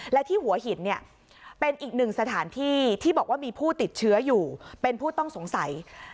และที่หัวหินเนี่ยเป็นอีกหนึ่งสถานที่ที่บอกว่ามีผู้ติดเชื้ออยู่เป็นผู้ต้องสงสัย